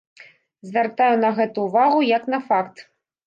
Звяртаю на гэта ўвагу як на факт.